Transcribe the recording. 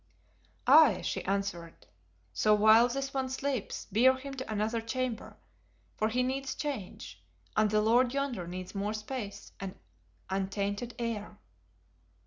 "Aye," she answered, "so while this one sleeps, bear him to another chamber, for he needs change, and the lord yonder needs more space and untainted air."